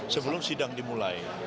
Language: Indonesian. sebelum sidang dimulai